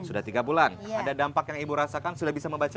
sudah tiga bulan ada dampak yang ibu rasakan sudah bisa membaca